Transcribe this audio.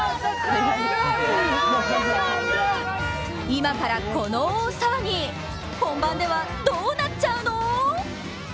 今からこの大騒ぎ、本番ではどうなっちゃうの？